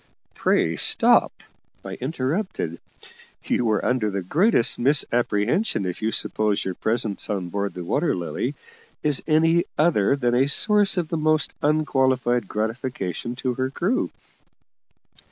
"Pray stop!" I interrupted. "You are under the greatest misapprehension if you suppose your presence on board the Water Lily is any other than a source of the most unqualified gratification to her crew.